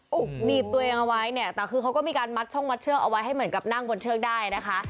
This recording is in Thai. โอ้โหหนีบตัวเองเอาไว้เนี่ยแต่คือเขาก็มีการมัดช่องมัดเชือกเอาไว้ให้เหมือนกับนั่งบนเชือกได้นะคะ